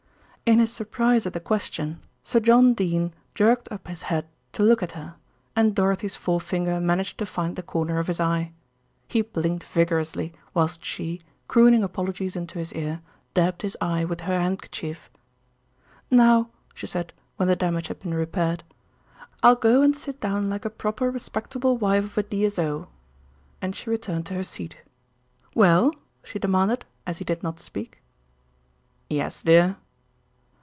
In his surprise at the question, Sir John Dene jerked up his head to look at her, and Dorothy's forefinger managed to find the corner of his eye. He blinked vigorously, whilst she, crooning apologies into his ear, dabbed his eye with her handkerchief. "Now," she said, when the damage had been repaired, "I'll go and sit down like a proper, respectable wife of a D.S.O.," and she returned to her seat. "Well?" she demanded, as he did not speak. "Yes, dear."